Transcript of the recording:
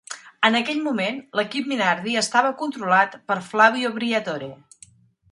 En aquell moment, l'equip Minardi estava controlat per Flavio Briatore.